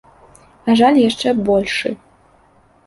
А жаль яшчэ большы.